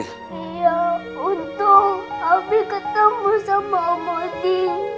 iya untung abi ketemu sama oma di